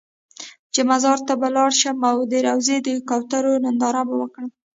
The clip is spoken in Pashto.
چې مزار ته به لاړ شم او د روضې د کوترو ننداره به وکړم.